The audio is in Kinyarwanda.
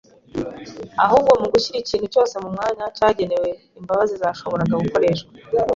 ahubwo mu gushyira ikintu cyose mu mwanya cyagenewe, imbabazi zashoboraga gukoreshwa